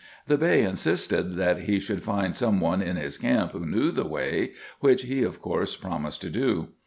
The Bey in sisted that he should find some one in his camp who knew the way, which he of course promised to do.